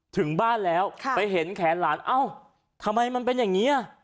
ถึงบ้านแล้วไปเห็นแขนหลานเอ้าทำไมมันเป็นอย่างนี้อ่ะ